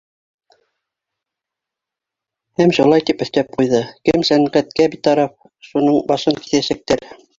Һәм шулай тип өҫтәп ҡуйҙы: кем сәнғәткә битараф, шунын башын киҫәсәктәр.